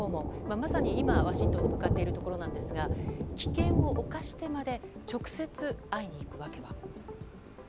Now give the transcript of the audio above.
まさに今、ワシントンに向かっているところですが危険を冒してまで直接会いに行く訳は。